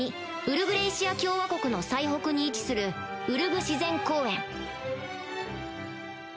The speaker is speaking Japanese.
ウルグレイシア共和国の最北に位置するウルグ自然公園